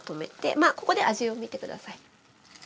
まあここで味を見て下さい。